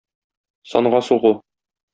Санга сугу.